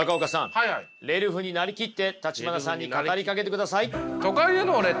レルフに成りきって橘さんに語りかけてください。